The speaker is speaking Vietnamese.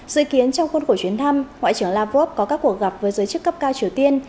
dự kiến trong khuôn khổ chuyến thăm ngoại trưởng lavrov có các cuộc gặp với giới chức cấp cao triều tiên